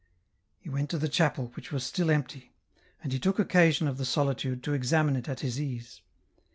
He went to the chapel, which was still empty ; and he took occasion of the solitude to examine it at his ease.